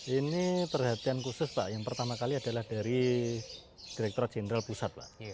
ini perhatian khusus pak yang pertama kali adalah dari direktur jenderal pusat pak